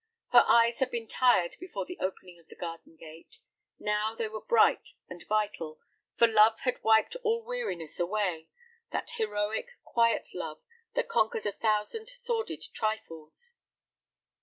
Her eyes had been tired before the opening of the garden gate. Now they were bright and vital, for love had wiped all weariness away—that heroic, quiet love that conquers a thousand sordid trifles.